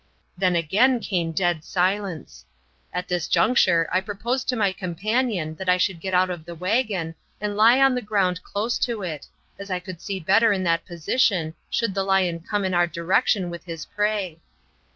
Then again came dead silence. At this juncture I proposed to my companion that I should get out of the wagon and lie on the ground close to it, as I could see better in that position should the lion come in our direction with his prey.